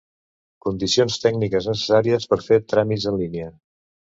Condicions tècniques necessàries per fer tràmits en línia.